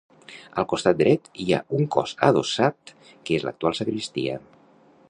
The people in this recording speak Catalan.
Al costat dret hi ha un cos adossat que és l'actual sagristia.